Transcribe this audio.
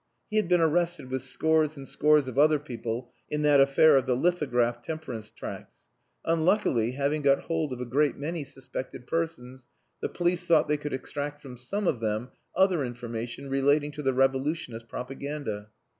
He had been arrested with scores and scores of other people in that affair of the lithographed temperance tracts. Unluckily, having got hold of a great many suspected persons, the police thought they could extract from some of them other information relating to the revolutionist propaganda.